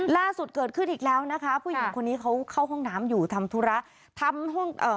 ล่าสุดเกิดขึ้นอีกแล้วนะคะผู้หญิงคนนี้เขาเข้าห้องน้ำอยู่ทำธุระทำห้องเอ่อ